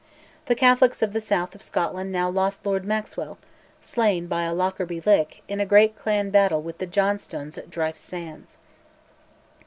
The Catholics of the south of Scotland now lost Lord Maxwell, slain by a "Lockerby Lick" in a great clan battle with the Johnstones at Dryfe Sands.